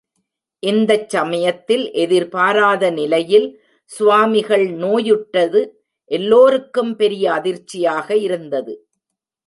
இந்தச் சமயத்தில் எதிர்பாராத நிலையில் சுவாமிகள் நோயுற்றது எல்லோருக்கும் பெரிய அதிர்ச்சியாக இருந்தது.